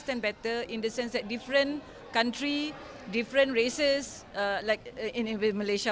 tapi ada yang diperlukan juga